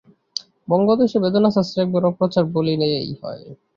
বঙ্গদেশে বেদশাস্ত্রের একেবারে অপ্রচার বলিলেই হয়।